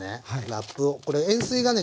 ラップをこれ塩水がね